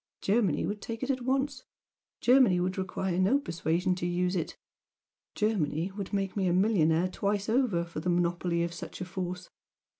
Germany would take it at once Germany would require no persuasion to use it! Germany would make me a millionaire twice over for the monopoly of such a force!